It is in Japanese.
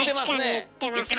言うてますねえ。